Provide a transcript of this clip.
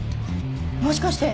もしかして！